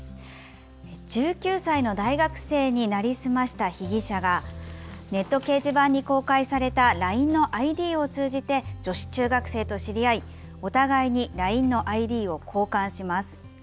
１９歳の大学生に成り済ました被疑者がネット掲示板に公開されたＬＩＮＥのＩＤを通じて女子中学生と知り合い、お互いにＬＩＮＥのＩＤを交換します。